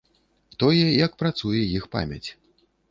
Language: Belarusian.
Тое, як працуе іх памяць.